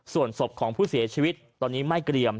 ส่วนศพของผู้เสียชีวิตตอนนี้ไม่เกรียม